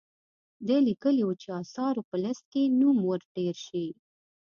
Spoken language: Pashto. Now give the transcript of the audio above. ده لیکلي وو چې آثارو په لیست کې نوم ور ډیر شي.